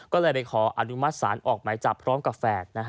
ก็เลยไปขออนุมัติศาลออกหมายจับพร้อมกับแฝด